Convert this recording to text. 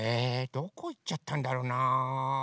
どこいっちゃったんだろうな。